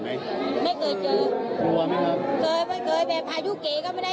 แล้วตอนนี้บ้านนี้ใครอยู่บ้านบ้าง